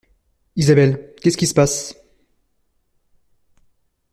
Isabelle, qu’est-ce qui se passe?